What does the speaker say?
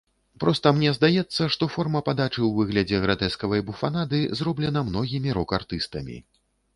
Проста мне здаецца, што форма падачы ў выглядзе гратэскавай буфанады згублена многімі рок-артыстамі.